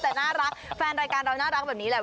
แต่น่ารักแฟนรายการเราน่ารักแบบนี้แหละ